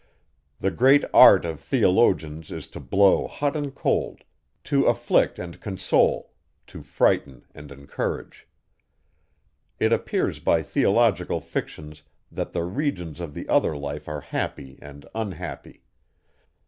The great art of theologians is to blow hot and cold, to afflict and console, to frighten and encourage. It appears by theological fictions, that the regions of the other life are happy and unhappy.